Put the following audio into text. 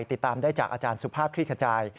ติดตามได้จากอาจารย์สุภาพคลี่ขจาย